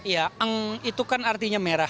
ya itu kan artinya merah